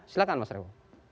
silahkan mas revo